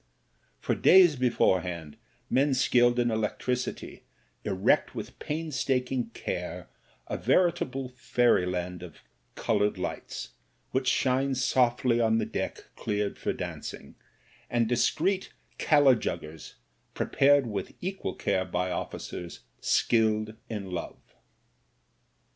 For days beforehand, men skilled in electricity erect with painstaking care a veritable fairyland of coloured lights, which shine softly on the deck cleared for dancing, and discreet kala juggers prepared with equal care by officers skilled in love.